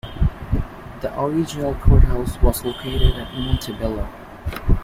The original courthouse was located at Montebello.